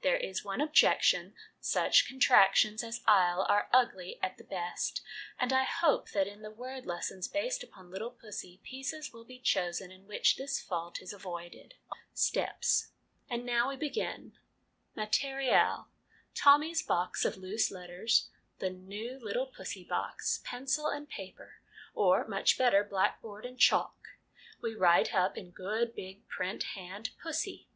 There is one objection ; such 1 Miss Miller, founder of a Training College at Oxford. 2l8 HOME EDUCATION contractions as * I'll ' are ugly at the best, and I hope that in the word lessons based upon ' Little Pussy/ pieces will be chosen in which this fault is avoided. Steps. And now, we begin. Materiel: Tommy's box of loose letters, the new ' Little Pussy ' box, pencil and paper, or much better, blackboard and chalk. We write up in good big print hand ' Pussy.'